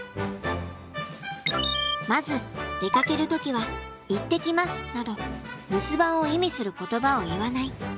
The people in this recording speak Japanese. まず出かける時は「行ってきます」など留守番を意味する言葉を言わない。